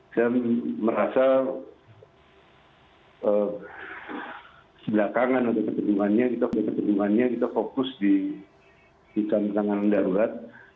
saya merasa sebelah kangen untuk ketidakpanggungannya kita fokus di penanggungan darurat